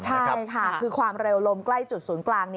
ใช่ค่ะคือความเร็วลมใกล้จุดศูนย์กลาง